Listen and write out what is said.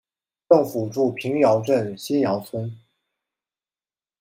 政府驻瓶窑镇新窑村。